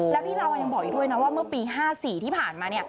แล้วพี่ลาวยังบอกอีกด้วยนะว่าเมื่อปี๕๔ที่ผ่านมาเนี่ย